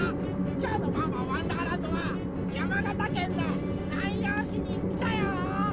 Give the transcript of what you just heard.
きょうの「ワンワンわんだーらんど」は山形県の南陽市にきたよ！